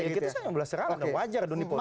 ya gitu saja membalas serangan wajar dunia politik